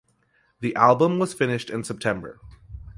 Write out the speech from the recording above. The album was finished in September.